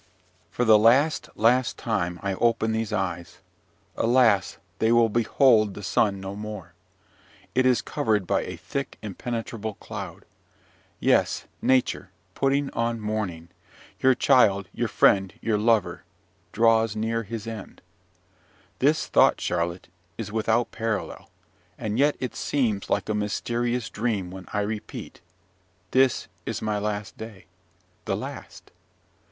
"For the last, last time I open these eyes. Alas! they will behold the sun no more. It is covered by a thick, impenetrable cloud. Yes, Nature! put on mourning: your child, your friend, your lover, draws near his end! This thought, Charlotte, is without parallel; and yet it seems like a mysterious dream when I repeat this is my last day! The last!